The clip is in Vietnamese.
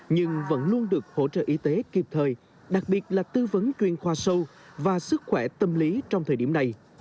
nhưng vẫn luôn được hỗ trợ y tế kịp thời đặc biệt là tư vấn chuyên khoa sâu và sức khỏe tâm lý trong thời điểm này